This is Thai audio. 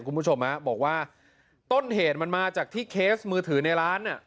คุณผู้ชมบอกว่าต้นเหตุมันมาจากที่เคสมือถือในร้าน